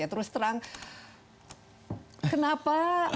terus terang kenapa